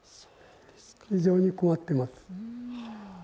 非常に困っています。